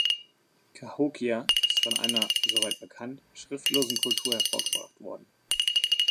Cahokia ist von einer, soweit bekannt, schriftlosen Kultur hervorgebracht worden.